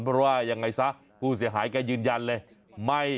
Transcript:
เพราะว่ายังไงซะผู้เสียหายแกยืนยันเลย